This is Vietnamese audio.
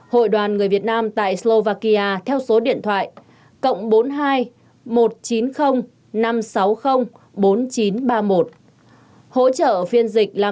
hội đoàn người việt nam tại moldova